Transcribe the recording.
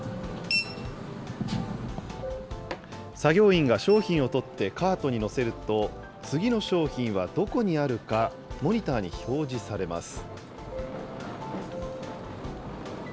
作業員が商品を取ってカートに載せると、次の商品はどこにあるか、モニターに表示されます。